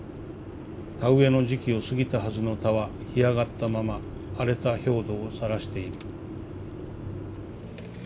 田植えの時期を過ぎたはずの田は干上がったまま荒れた表土をさらしている」。